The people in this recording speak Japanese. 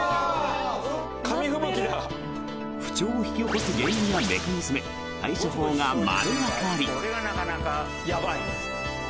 不調を引き起こす原因やメカニズム、対処法が丸わかり！